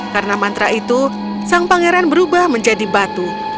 karena mantra itu sang pangeran berubah menjadi batu